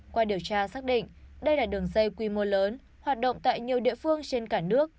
qua điều tra xác định đây là đường dây quy mô lớn hoạt động tại nhiều địa phương trên cả nước